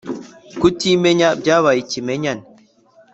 kutimenya byabaye ikimenyane